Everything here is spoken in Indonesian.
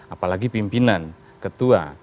apalagi pimpinan ketua